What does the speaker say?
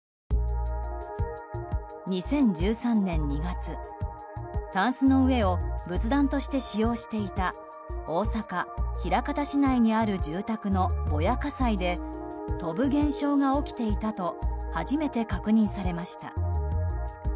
２０１３年２月、たんすの上を仏壇として使用していた大阪・枚方市内にある住宅のぼや火災で飛ぶ現象が起きていたと初めて確認されました。